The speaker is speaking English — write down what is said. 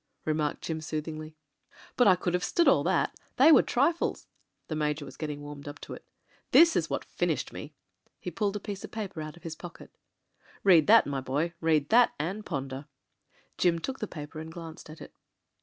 remarked Jim sooth ingly. "But I could have stood all that — ^they were trifles." The Major was getting warmed up to it. "This is what finished me." He pulled a piece of paper out of his pocket. "Read that, my boy — read that and pon der." Jim took the paper and glanced at it.